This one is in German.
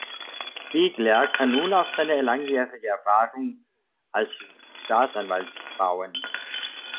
Biegler kann nun auf seine langjährige Erfahrung als Staatsanwalt bauen.